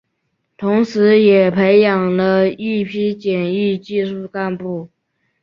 同时也培养了一批检疫技术干部。